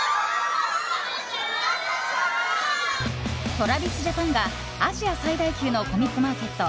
ＴｒａｖｉｓＪａｐａｎがアジア最大級のコミックマーケット